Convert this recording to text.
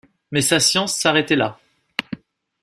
Mais sa science s’arrêtait là.